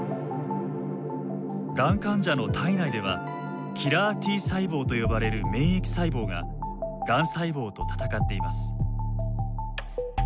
がん患者の体内ではキラーＴ細胞と呼ばれる免疫細胞ががん細胞と戦っています。